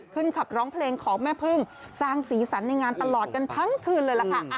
ขับร้องเพลงของแม่พึ่งสร้างสีสันในงานตลอดกันทั้งคืนเลยล่ะค่ะ